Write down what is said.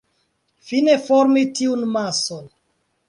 Fine formi tiun mason.